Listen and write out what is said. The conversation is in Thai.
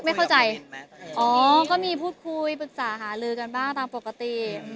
ไม่เข้าใจอ๋อก็มีพูดคุยปรึกษาหาลือกันบ้างตามปกติ